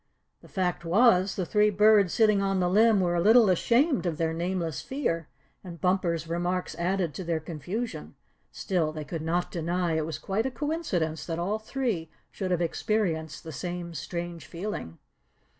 The fact was the three birds sitting on the limb were a little ashamed of their nameless fear, and Bumper's remarks added to their confusion. Still they could not deny, it was quite a coincidence that all three should have experienced the same strange feeling.